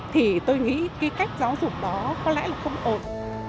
thì tôi nghĩ cái cách giáo dục đó có lẽ là không ổn